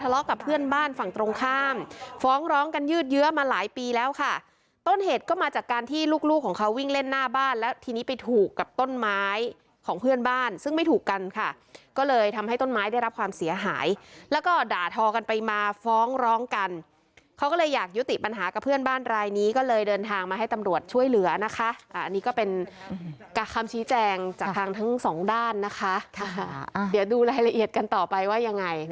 แล้วค่ะต้นเห็ดก็มาจากการที่ลูกของเขาวิ่งเล่นหน้าบ้านแล้วทีนี้ไปถูกกับต้นไม้ของเพื่อนบ้านซึ่งไม่ถูกกันค่ะก็เลยทำให้ต้นไม้ได้รับความเสียหายแล้วก็ด่าทอกันไปมาฟ้องร้องกันเขาก็เลยอยากยุติปัญหากับเพื่อนบ้านรายนี้ก็เลยเดินทางมาให้ตำรวจช่วยเหลือนะคะอันนี้ก็เป็นคำชี้แจงจากทางทั้งสองด้านนะคะเดี๋ยวดูราย